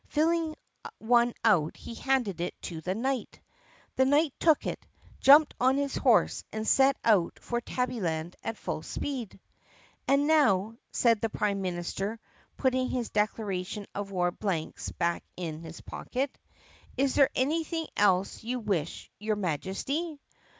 Filling one out he handed it to the knight. The knight took it, jumped on his horse, and set out for Tabbyland at full speed. "And now," said the prime minister putting his declaration of war blanks back in his pocket, "is there anything else you wish, your Majesty?"